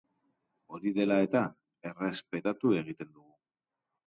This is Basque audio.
Hori dela eta, errespetatu egiten dugu.